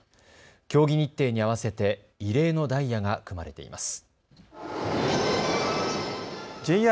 競技日程に合わせて異例のダイヤが組まれています。